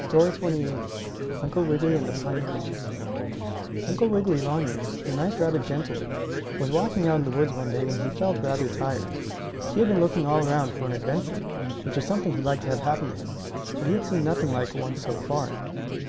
STORY XXVIII UNCLE WIGGILY AND THE PINE CONES Uncle Wiggily Longears, the nice rabbit gentleman, was out walking in the woods one day when he felt rather tired. He had been looking all around for an adventure, which was something he liked to have happen to him, but he had seen nothing like one so far.